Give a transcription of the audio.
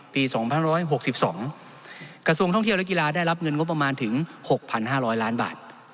๒๑๖๒กระทรวงท่องเที่ยวและกีฬาได้รับเงินงบประมาณถึง๖๕๐๐ล้านบาท